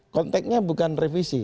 konteknya bukan revisi